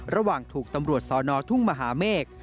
ระหว่างถูกตำรวจสอนอทุ่งมหาเมฆ